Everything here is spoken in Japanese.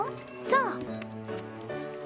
そう！